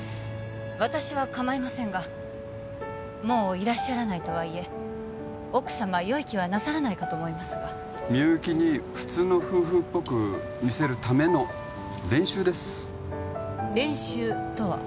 私はかまいませんがもういらっしゃらないとはいえ奥様よい気はなさらないかと思いますがみゆきに普通の夫婦っぽく見せるための練習です練習とは？